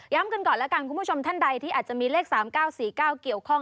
กันก่อนแล้วกันคุณผู้ชมท่านใดที่อาจจะมีเลข๓๙๔๙เกี่ยวข้อง